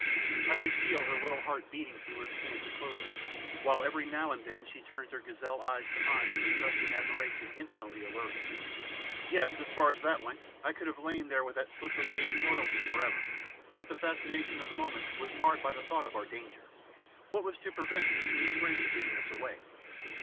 I could feel her little heart beating through her scanty clothing, while every now and then she turned her gazelle eyes to mine with a trust and admiration infinitely alluring. Yes! as far as that went I could have lain there with that slip of maiden royalty for ever, but the fascination of the moment was marred by the thought of our danger. What was to prevent these new friends giving us away?